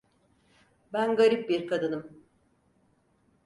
Ben garip bir kadınım…